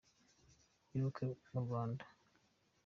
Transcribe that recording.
y’ubukwe mu Rwanda.